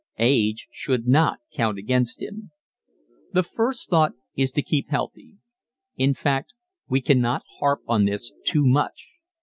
Age should not count against him. The first thought is to keep healthy. In fact, we cannot harp on this too much.